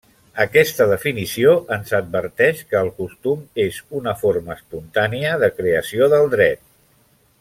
Aquesta definició ens adverteix que el costum és una forma espontània de creació del dret.